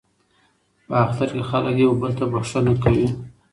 په اختر کې خلک یو بل ته بخښنه کوي.